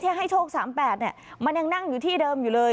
เที่ยงให้โชคสามแปดเนี่ยมันยังนั่งอยู่ที่เดิมอยู่เลย